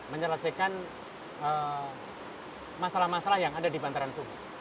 menyelesaikan masalah masalah yang ada di bantaran sungai